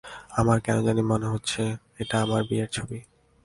আমার কেন জানি মনে হচ্ছে, এটা আমার বিয়ের ছবি।